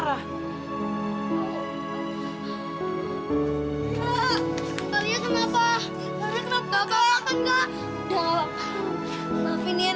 lihat itu liat